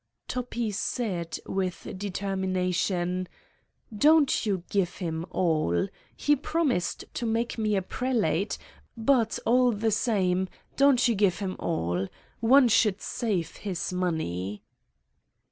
Toppi said with determination: "Don't you give him all. He promised to make me a prelate, but, all the same, don't you give him all. One should save his money."